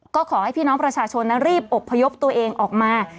ก็ขอให้พี่น้องประชาชนรีบอบพยพตัวเองออกมา